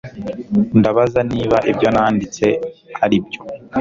Ndabaza niba ibyo nanditse aribyo